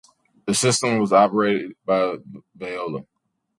The system was operated by Veolia.